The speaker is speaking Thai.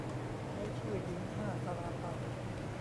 ใช้ชื่อ "หญิงห้าซาลาเปา"